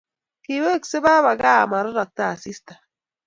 Weksei papa kaa amarorokto asista.